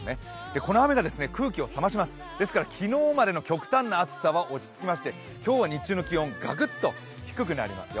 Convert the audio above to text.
この雨が空気を冷まします、ですから昨日までの極端な暑さは収まりまして今日は日中の気温ガクッと低くなりますよ。